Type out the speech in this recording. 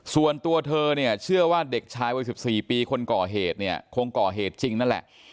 ส่วนตัวเธอเนี่ยเชื่อว่าเด็กชายวัย๑๔ปีคนก่อเหตุเนี่ยคงก่อเหตุจริงนั่นแหละ